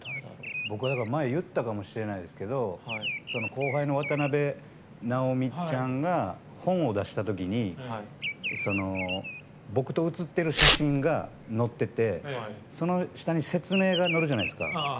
僕は、前に言ったかもしれないですけど後輩の渡辺直美ちゃんが本を出したときに僕と写ってる写真が載っていてその下に説明が載るじゃないですか。